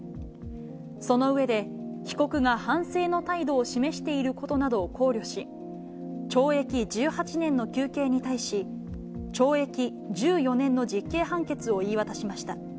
その上で、被告が反省の態度を示していることなどを考慮し、懲役１８年の求刑に対し、懲役１４年の実刑判決を言い渡しました。